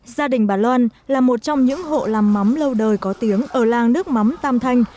gia đình bà loan là một trong những hộ làm mắm lâu đời có tiếng ở làng nước mắm tam thanh